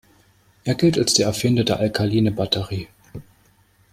Er gilt als der Erfinder der Alkaline-Batterie.